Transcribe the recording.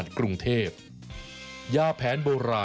สวัสดีค่าข้าวใส่ไข่